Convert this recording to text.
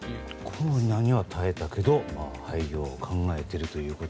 コロナには耐えたけど廃業を考えていると。